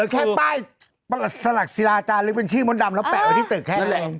แค่ป้ายสลักศิราจารย์หรือเป็นชื่อมนต์ดำแล้วแปะไว้ที่ตึกแค่นั้น